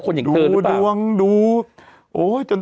สวัสดีครับคุณผู้ชม